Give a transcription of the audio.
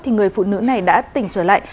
thì người phụ nữ này đã tỉnh trở lại